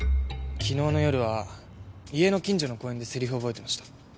昨日の夜は家の近所の公園でセリフを覚えてました。